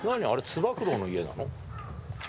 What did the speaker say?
つば九郎の家なの？